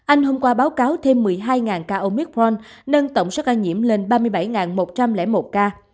anh hôm qua báo cáo thêm một mươi hai ca omithront nâng tổng số ca nhiễm lên ba mươi bảy một trăm linh một ca